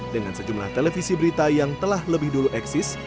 dengan sejumlah televisi berita yang telah lebih dulu eksis